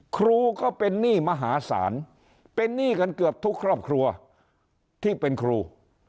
ครูก็เป็นหนี้มหาศาลเป็นหนี้กันเกือบทุกครอบครัวที่เป็นครู